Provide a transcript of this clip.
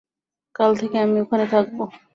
কাল থেকে আমি ওখানে থাকব।